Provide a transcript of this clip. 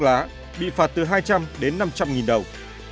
hành vi hút thuốc lá bị phạt từ hai trăm linh đến năm trăm linh nghìn đồng